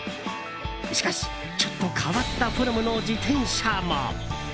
しかし、ちょっと変わったフォルムの自転車も。